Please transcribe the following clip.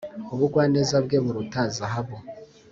ubugwaneza bwe buruta zahabu